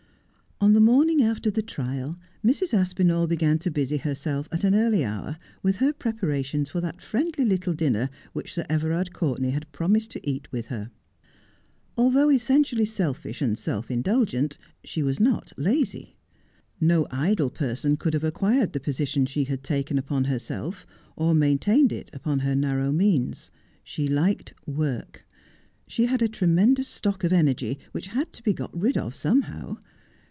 On the morning after the trial Mrs. Aspinall began to busy herself at an early hour with her preparations for that friendly little dinner which Sir Everard Courtenay had promised to eat with her. Although essentially selfish and self indulgent, she was not lazy. No idle person could have acquired the position she had taken upon herself, or maintained it upon her narrow means. She liked work. She had a tremendous stock of energy which had to be got rid of somehow.